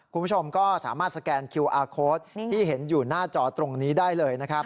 คุณผู้ชมก็สามารถสแกนคิวอาร์โค้ดที่เห็นอยู่หน้าจอตรงนี้ได้เลยนะครับ